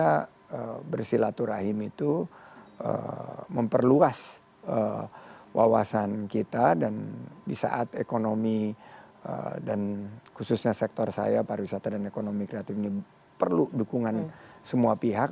karena bersilaturahim itu memperluas wawasan kita dan di saat ekonomi dan khususnya sektor saya pariwisata dan ekonomi kreatif ini perlu dukungan semua pihak